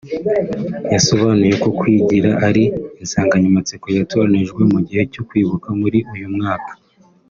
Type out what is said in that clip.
yasobanuye ko ’’kwigira’’ ari insanganyamatsiko yatoranijwe mu gihe cyo kwibuka muri uyu mwaka